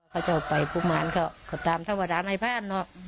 พ่อเจ้าไปพวกมานเขาคือตามต้ำกระดานไอ้พ่านเนอะ